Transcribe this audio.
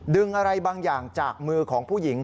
ดึงอะไรบางอย่างจากมือของผู้หญิง